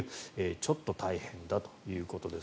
ちょっと大変だということです。